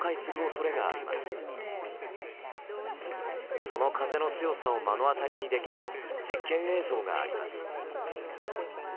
その風の強さを目の当たりにできる実験映像があります。